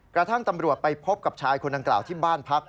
กระทั่งตำรวจไปพบกับชายคนดังกล่าวที่บ้านพัก